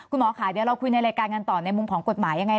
คุณหมอค่ะเดี๋ยวเราคุยในรายการกันต่อในมุมของกฎหมายยังไง